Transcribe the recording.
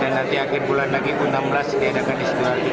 dan nanti akhir bulan lagi enam belas diadakan di sidoarjo